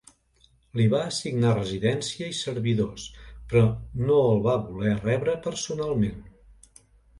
Li va assignar residència i servidors però no el va voler rebre personalment.